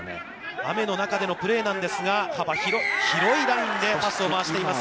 雨の中でのプレーなんですが、幅広いラインでパスを回しています。